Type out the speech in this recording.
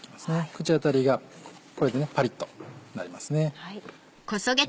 口当たりがこれでパリっとなります。